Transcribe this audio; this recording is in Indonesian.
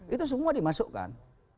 itu semua dimasukkan